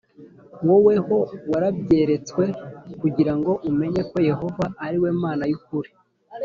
Wowe ho warabyeretswe kugira ngo umenye ko Yehova ari we Mana y’ukuri,